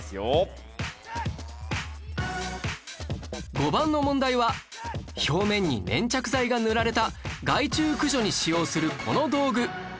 ５番の問題は表面に粘着剤が塗られた害虫駆除に使用するこの道具